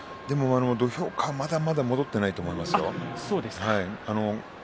土俵勘はまだまだ戻っていないと思います。